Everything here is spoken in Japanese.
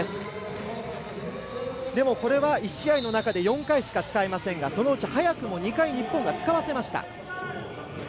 これは、１試合の中で４回しか使えませんがそのうち早くも２回、日本が使わせました。